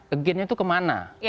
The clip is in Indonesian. again itu kemana